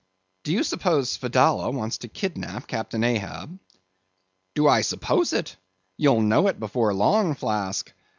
"Do you suppose Fedallah wants to kidnap Captain Ahab?" "Do I suppose it? You'll know it before long, Flask.